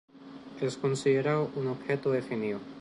Es considerado un objeto definido.